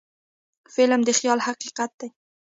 فلم د خیال حقیقت دی